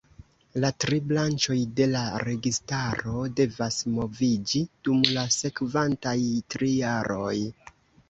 La tri branĉoj de la registaro devas moviĝi dum la sekvantaj tri jaroj.